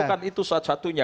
bukan itu satu satunya